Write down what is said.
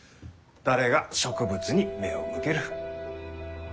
誰が植物に目を向ける？